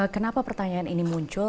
kenapa pertanyaan ini muncul